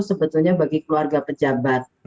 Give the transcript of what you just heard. sebetulnya bagi keluarga pejabat